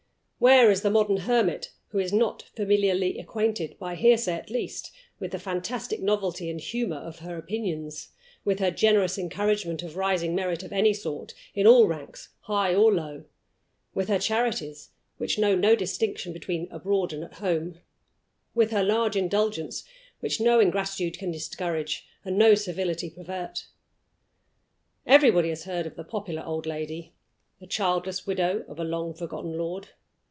Where is the modern hermit who is not familiarly acquainted, by hearsay at least, with the fantastic novelty and humor of her opinions; with her generous encouragement of rising merit of any sort, in all ranks, high or low; with her charities, which know no distinction between abroad and at home; with her large indulgence, which no ingratitude can discourage, and no servility pervert? Everybody has heard of the popular old lady the childless widow of a long forgotten lord.